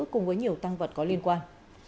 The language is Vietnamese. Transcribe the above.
cùng với nhiều tăng vật có liên quan